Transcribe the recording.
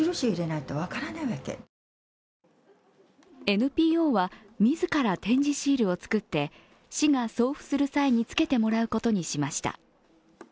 ＮＰＯは自ら点字シールを作って市が送付する際につけてもらうことにしました。